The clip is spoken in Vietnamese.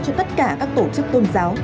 cho tất cả các tổ chức tôn giáo